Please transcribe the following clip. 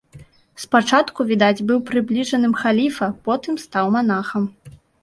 Спачатку, відаць, быў прыбліжаным халіфа, потым стаў манахам.